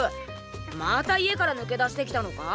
また家から抜け出してきたのか？